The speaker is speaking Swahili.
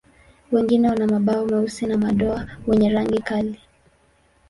Wengine wana mabawa meusi na madoa wenye rangi kali.